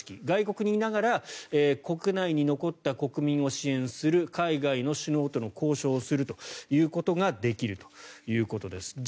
外国にいながら国内に残った国民を支援する海外の首脳との交渉をするということができるということです。